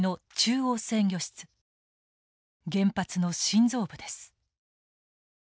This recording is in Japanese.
原発の心臓部です。